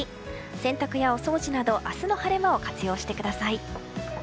洗濯やお掃除など明日の晴れ間を活用してください。